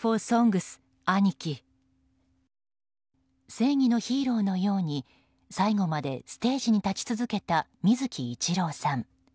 正義のヒーローのように最後までステージに立ち続けた水木一郎さん。